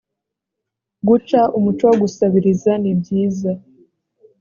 guca umuco wo gusabiriza nibyiza